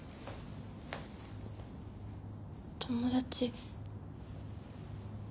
友達。